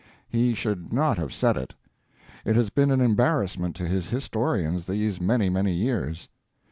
He should not have said it. It has been an embarrassment to his historians these many, many years.